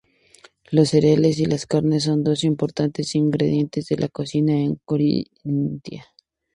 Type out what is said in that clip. Los cereales y la carne son dos importantes ingredientes de la cocina en Carintia.